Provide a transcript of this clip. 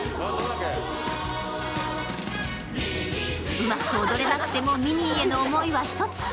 うまく踊れなくても、ミニーへの思いは一つ。